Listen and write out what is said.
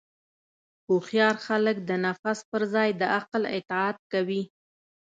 هوښیار خلک د نفس پر ځای د عقل اطاعت کوي.